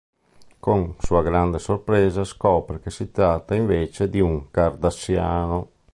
Con sua grande sorpresa, scopre che si tratta invece di un Cardassiano.